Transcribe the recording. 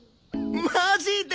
マジで！？